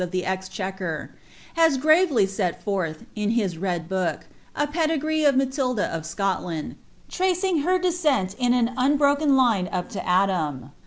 of the Exchequer), has gruvely eel forlh, in his red book, a pedigree of Matilda of ScuUiiiid, tracing her ilesreni in an unbroken line up to Adam.